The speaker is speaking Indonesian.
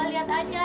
jadi lapa aja